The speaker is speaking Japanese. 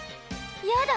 やだ！